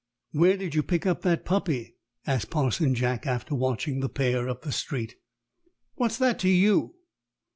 "Where did you pick up that puppy?" asked Parson Jack, after watching the pair up the street. "What's that to you?"